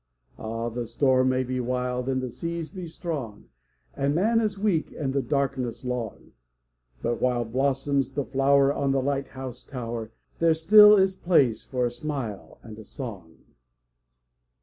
Ah, the storm may be wild and the sea be strong, And man is weak and the darkness long, But while blossoms the flower on the light house tower There still is place for a smile and a song.